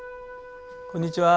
こんにちは。